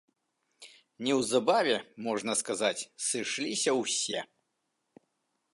Неўзабаве, можна сказаць, сышліся ўсе.